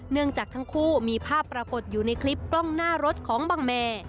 เนื่องจากทั้งคู่มีภาพปรากฏอยู่ในคลิปกล้องหน้ารถของบังแม